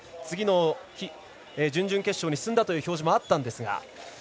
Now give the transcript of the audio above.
次の準々決勝に進んだという表示もあったんですが。